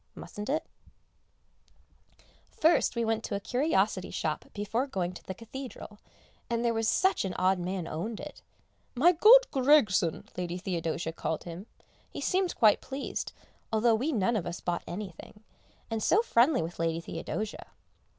Mustn't it? [Sidenote: Country Shopping] First we went to a curiosity shop before going to the Cathedral, and there was such an odd man owned it. "My good Griggson," Lady Theodosia called him; he seemed quite pleased although we none of us bought anything and so friendly with Lady Theodosia.